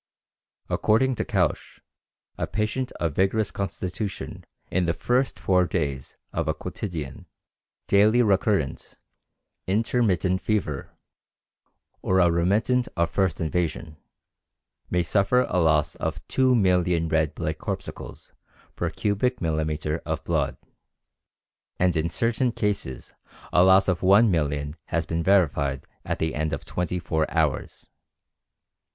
According to Kelsch, a patient of vigorous constitution in the first four days of a quotidian [daily recurrent] intermittent fever, or a remittent of first invasion, may suffer a loss of 2,000,000 red blood corpuscles per cubic millimeter of blood, and in certain cases a loss of 1,000,000 has been verified at the end of twenty four hours.